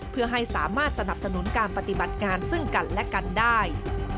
เพื่อให้สามารถสนับสนุนการปฏิบัติงานซึ่งกันและกันได้